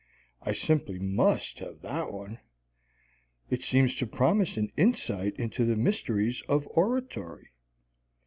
I simply must have that one. It seems to promise an insight into the mysteries of oratory.